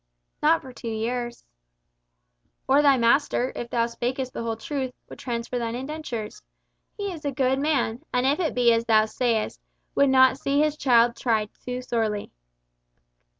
"Not for two years" "Or thy master, if thou spakest the whole truth, would transfer thine indentures. He is a good man, and if it be as thou sayest, would not see his child tried too sorely.